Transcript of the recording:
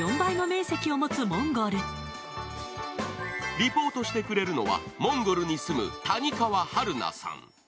リポートしてくれるのはモンゴルに住む谷川春菜さん。